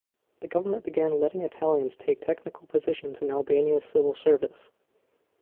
The government began letting Italians take technical positions in Albania's civil service.